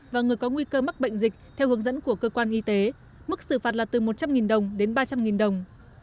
và người có nguy cơ mắc bệnh dịch theo hướng dẫn của cơ quan y tế mức xử phạt là từ một trăm linh đồng đến ba trăm linh đồng